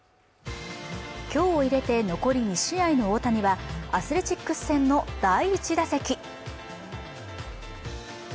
今日を入れて残り２試合の大谷はアスレチックス戦の第１打席